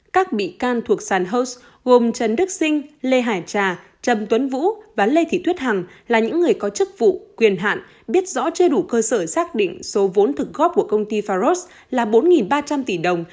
các bị can thuộc sản hos gồm trần đức sinh lê hải trà trần tuấn vũ và lê thị thuyết hằng là những người có chức vụ quyền hạn biết rõ chưa đủ cơ sở xác định số vốn thực góp của công ty faros là bốn ba trăm linh tỷ đồng